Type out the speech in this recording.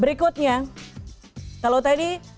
berikutnya kalau tadi